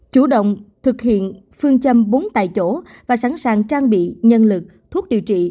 chủ động thực hiện phương châm bốn tại chỗ và sẵn sàng trang bị nhân lực thuốc điều trị